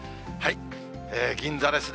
銀座ですね。